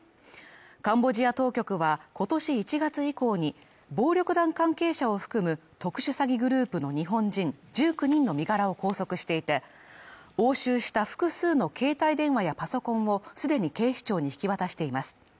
カンボジア当局は今年１月以降に暴力団関係者を含む特殊詐欺グループの日本人１９人の身柄を拘束していて、押収した複数の携帯電話やパソコンを既に警視庁に引き渡しています。